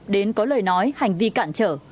đến có lời nói hành vi cạn trở